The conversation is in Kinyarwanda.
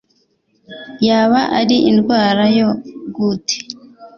yaba ari indwara ya goute